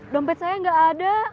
dompet saya gak ada